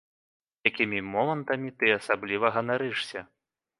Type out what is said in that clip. Якімі момантамі ты асабліва ганарышся?